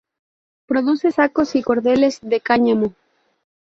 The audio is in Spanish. Produce sacos y cordeles de cáñamo.